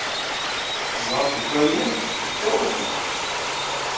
Zedɣent deg wannag ddaw-atneɣ.